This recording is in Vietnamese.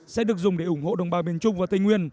sẽ được dùng để ủng hộ đồng bào miền trung và tây nguyên